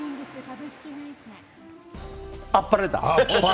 あっぱれだ！